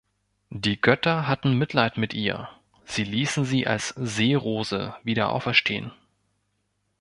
Die Götter hatten Mitleid mit ihr: Sie ließen sie als Seerose wieder auferstehen.